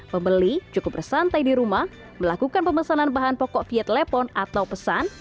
pembeli cukup bersantai di rumah melakukan pemesanan bahan pokok via telepon atau pesan